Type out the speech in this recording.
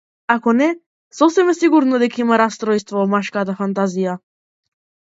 Ако не е, сосем сигурно е дека има растројство во машката фантазија.